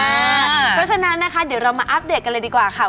เพราะฉะนั้นนะคะเดี๋ยวเรามาอัปเดตกันเลยดีกว่าค่ะ